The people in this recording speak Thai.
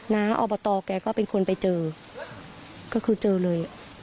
อบตแกก็เป็นคนไปเจอก็คือเจอเลย